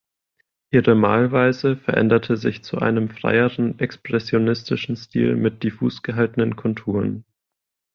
Ihre Malweise veränderte sich zu einem freieren expressionistischen Stil mit diffus gehaltenen Konturen.